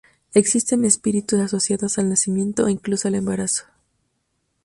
Existen espíritus asociados al nacimiento o incluso al embarazo.